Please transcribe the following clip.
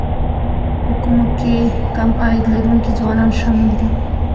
په کومو کې کم عاید لرونکي ځوانان شامل دي